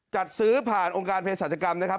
จัดซื้อผ่านองค์การเพศศาจกรรมนะครับ